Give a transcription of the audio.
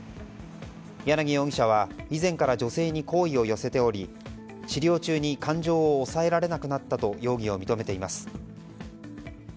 柳容疑者は以前から女性に好意を寄せており治療中に感情を抑えられなくなったと容疑を認めています。